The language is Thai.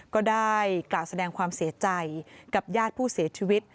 ก็ได้กล่าวแสดงความเสียใจกับญาติผู้เสียชีวิต